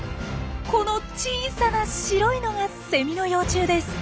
この小さな白いのがセミの幼虫です。